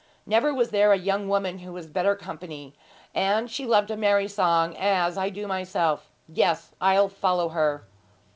Never was there a young woman who was better company; and she loved a merry song as I do myself. Yes, I'll follow her.'